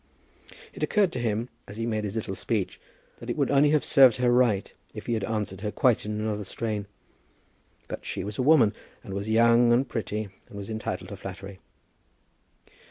It occurred to him as he made his little speech that it would only have served her right if he had answered her quite in another strain; but she was a woman, and was young and pretty, and was entitled to flattery.